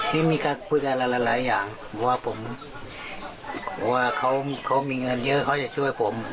ที่มีการคุยกันหลายอย่างว่าเขามีเงินเยอะเขาจะช่วยผม